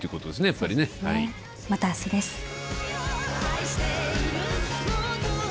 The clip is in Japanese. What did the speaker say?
また明日です。